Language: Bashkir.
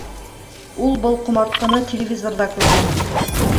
Ул был ҡомартҡыны телевизорҙа күргән.